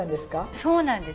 そうなんです。